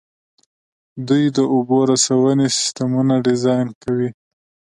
دوی د اوبو رسونې سیسټمونه ډیزاین کوي.